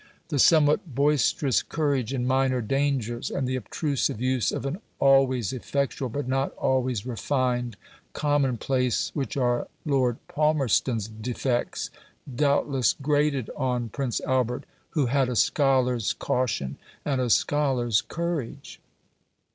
The somewhat boisterous courage in minor dangers, and the obtrusive use of an always effectual but not always refined, commonplace, which are Lord Palmerston's defects, doubtless grated on Prince Albert, who had a scholar's caution and a scholar's courage.